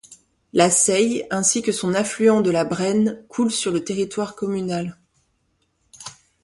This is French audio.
La Seille ainsi que son affluent de la Brenne coulent sur le territoire communal.